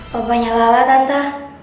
bapaknya lala tante